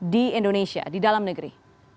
di indonesia di dalam negeri